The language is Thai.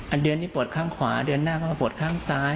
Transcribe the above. เดือนนี้ปวดข้างขวาเดือนหน้าก็มาปวดข้างซ้าย